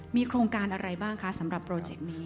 มีโครงการอะไรบ้างคะสำหรับโปรเจกต์นี้